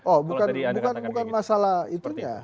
oh bukan masalah itunya